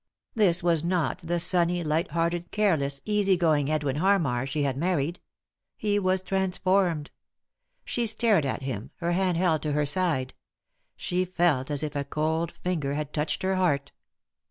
This was not the sunny, light hearted, careless, easy going Edwin Hannar she had married ; he was transformed. She stared at him, her hand held to her side ; she felt as if a cold finger had touched her heart.